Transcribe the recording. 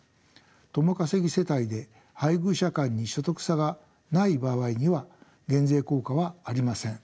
共稼ぎ世帯で配偶者間に所得差がない場合には減税効果はありません。